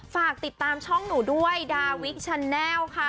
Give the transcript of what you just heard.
ฝากติดตามช่องหนูด้วยดาวิกชันแลล์ค่ะ